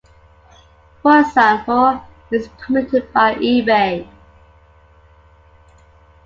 For example, it is permitted by eBay.